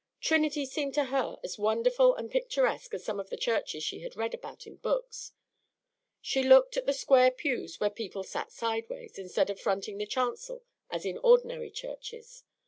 Trinity seemed to her as wonderful and picturesque as some of the churches she had read about in books. She looked at the square pews where people sat sideways, instead of fronting the chancel as in ordinary churches.